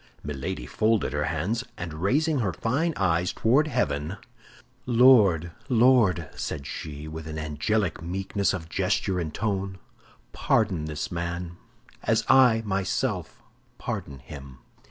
Milady folded her hands, and raising her fine eyes toward heaven, "Lord, Lord," said she, with an angelic meekness of gesture and tone, "pardon this man, as I myself pardon him."